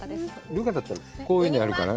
留伽だったらこういうのやるからね。